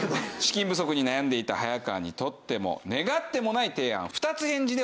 資金不足に悩んでいた早川にとっても願ってもない提案。